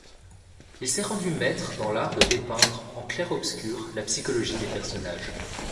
Il s’est rendu maître dans l’art de dépeindre en clair-obscur la psychologie des personnages.